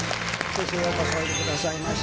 ようこそおいでくださいました。